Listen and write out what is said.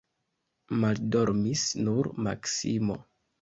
Maldormis nur Maksimo.